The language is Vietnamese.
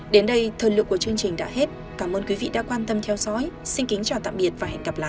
đến đây thời lượng của chương trình đã hết cảm ơn quý vị đã quan tâm theo dõi xin kính chào tạm biệt và hẹn gặp lại